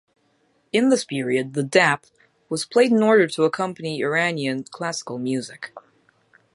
In this period the "dap" was played in order to accompany Iranian classical music.